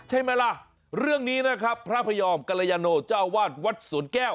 ใช่เมละเรื่องนี้นะครับพระพระยอมการโลยาโนเจ้าวาสวัดศูนย์แก้ว